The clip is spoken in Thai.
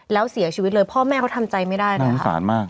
แล้วเสียชีวิตเลยพ่อแม่เขาทำใจไม่ได้นะคะ